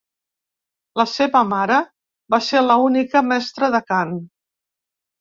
La seva mare va ser la seva única mestra de cant.